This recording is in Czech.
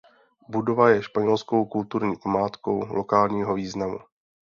Budova je španělskou kulturní památkou lokálního významu.